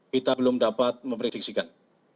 kita belum dapat memprediksikan